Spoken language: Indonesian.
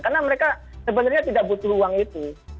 karena mereka sebenarnya tidak butuh uang itu